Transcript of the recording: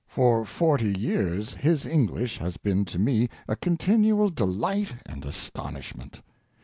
For forty years his English has been to me a continual delight and astonishment.